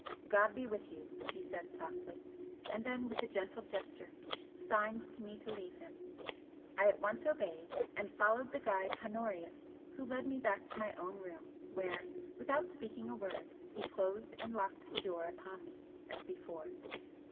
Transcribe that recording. "God be with you!" he said, softly, and then with a gentle gesture signed to me to leave him. I at once obeyed, and followed the guide Honorius, who led me back to my own room, where, without speaking a word, he closed and locked the door upon me as before.